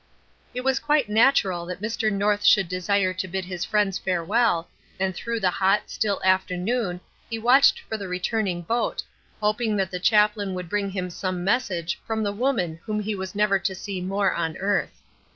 It was quite natural that Mr. North should desire to bid his friends farewell, and through the hot, still afternoon he watched for the returning boat, hoping that the chaplain would bring him some message from the woman whom he was never to see more on earth.